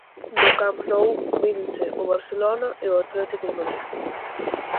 No Camp Nou mídense o Barcelona e o Atlético de Madrid.